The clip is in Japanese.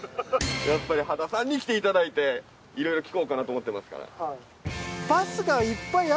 やっぱり羽田さんに来ていただいていろいろ聞こうかなと思ってますから。